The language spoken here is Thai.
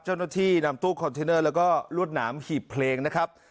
เจ้าหน้าที่นำตู้คอนเทนเนอร์แล้วก็รวดหนามหีบเพลงนะครับ